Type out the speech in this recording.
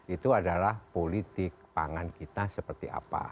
itu adalah politik pangan kita seperti apa